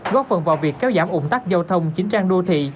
góp phần vào việc kéo giảm ủng tắc giao thông chính trang đô thị